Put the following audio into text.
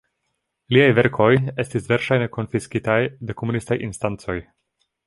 Liaj verkoj estis verŝajne konfiskitaj de komunistaj instancoj.